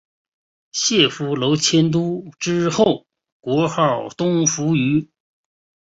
解夫娄迁都之后国号东扶余。